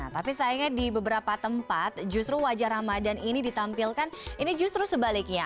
tapi sayangnya di beberapa tempat justru wajah ramadan ini ditampilkan ini justru sebaliknya